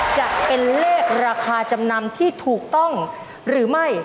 จะเป็นเลขราคาจำนำที่ถูกต้องหรือไม่